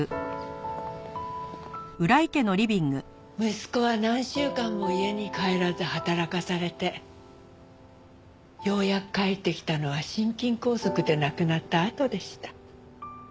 息子は何週間も家に帰らず働かされてようやく帰ってきたのは心筋梗塞で亡くなったあとでした。